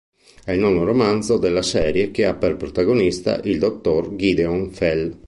È il nono romanzo della serie che ha per protagonista il dottor Gideon Fell.